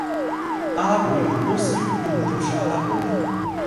阿拉伯语和波斯语用的都是阿拉伯文。